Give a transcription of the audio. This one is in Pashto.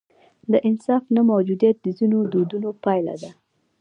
د انصاف نه موجودیت د ځینو دودونو پایله ده.